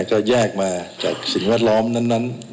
ก็แยกมาจากสิ่งแวดล้อมนั้น